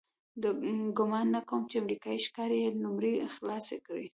ګمان نه کوم چې امریکایي ښکاري یې لومې خلاصې کړي.